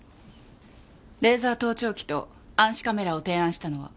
レーザー盗聴器と暗視カメラを提案したのは？